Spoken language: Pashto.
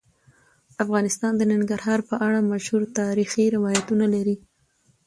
افغانستان د ننګرهار په اړه مشهور تاریخی روایتونه لري.